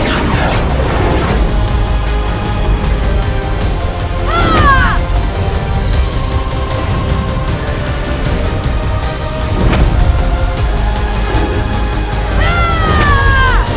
aku akan menangkapmu